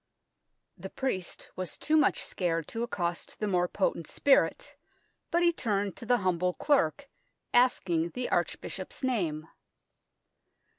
The priest was too much scared to accost the more potent spirit, but he turned to the humble clerk, asking the archbishop's name.